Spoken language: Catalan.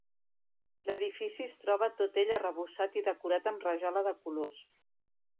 L'edifici es troba tot ell arrebossat i decorat amb rajola de colors.